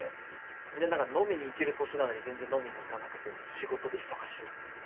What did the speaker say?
みんな何か飲みに行ける年なのに全然飲みに行かなくて「仕事で忙しい」っつってぼろぼろで。